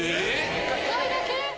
２回だけ！？